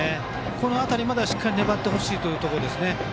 この辺りまではしっかり粘ってほしいところです。